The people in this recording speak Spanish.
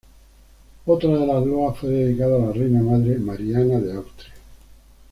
Otra de las loas fue dedicada a la reina madre, Mariana de Austria.